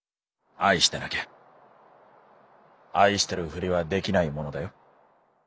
「愛してなきゃ愛してるふりはできないものだよ」。